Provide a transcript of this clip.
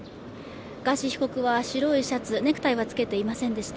ガーシー被告は白いシャツ、ネクタイは着けていませんでした。